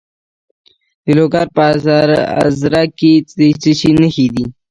د لوګر په ازره کې د څه شي نښې دي؟